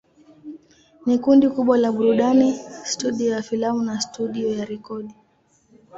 Ni kundi kubwa la burudani, studio ya filamu na studio ya rekodi.